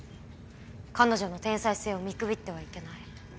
彼女の天才性を見くびってはいけない。